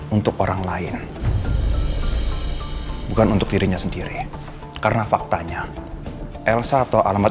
untuk orang lain bukan untuk dirinya sendiri karena faktanya elsa atau alamat